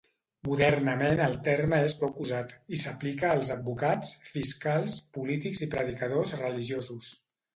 Modernament el terme és poc usat i s'aplica als advocats, fiscals, polítics i predicadors religiosos.